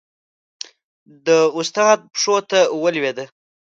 د استاد پښو ته ولوېده.